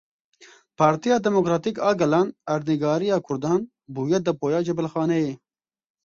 Partiya Demokratîk a Gelan: Erdnîgariya Kurdan bûye depoya cebilxaneyê.